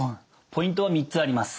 ポイントは３つあります。